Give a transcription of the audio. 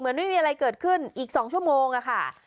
เหมือนไม่มีอะไรเกิดขึ้นอีกสองชั่วโมงอะค่ะ